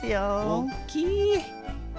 おっきい！